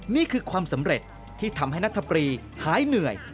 นี่คือความสำเร็จที่ทำให้นัทปรีหายเหนื่อย